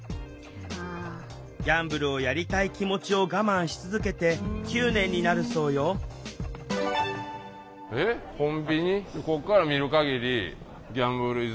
ギャンブルをやりたい気持ちを我慢し続けて９年になるそうよＡＴＭ？